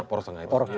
oh ya poros tengah itu